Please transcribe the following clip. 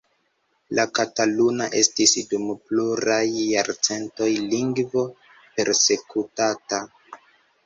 La kataluna estis dum pluraj jarcentoj lingvo persekutata.